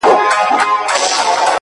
چي پکي روح نُور سي. چي پکي وژاړي ډېر.